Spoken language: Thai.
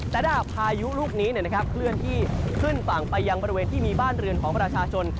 แต่ถ้าหากพายุลูกนี้เคลื่อนที่ขึ้นฝั่งไปยังบริเวณที่มีบ้านเรือนของประชาชน